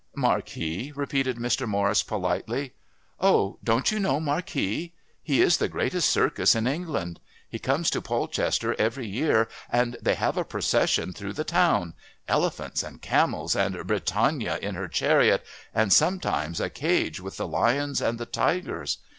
"Marquis?" repeated Mr. Morris politely. "Oh, don't you know Marquis? His is the greatest Circus in England. He comes to Polchester every year, and they have a procession through the town elephants and camels, and Britannia in her chariot, and sometimes a cage with the lions and the tigers.